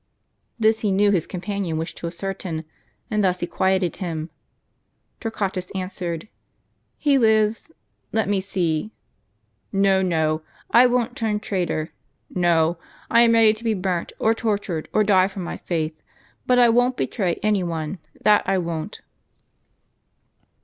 This he knew his companion wished to ascertain; and thus he quieted him. Torquatus answered :" He lives, let me see, — no, no ; I won't turn traitor. No; ffi I am ready to be burnt, or tortured, or die for my faith ; but I won't betray any one, — that I won't."